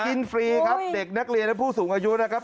ฟรีครับเด็กนักเรียนและผู้สูงอายุนะครับ